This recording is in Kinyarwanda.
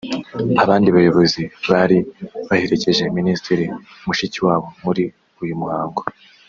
Abandi bayobozi bari baherekeje Minisitiri Mushikiwabo muri uyu muhango